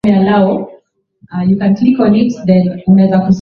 na ngono zote mbili zinajulikana kwa nguo